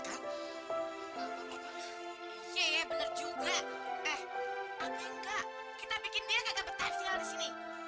ya bener juga eh apa enggak kita bikin dia gak berhenti di sini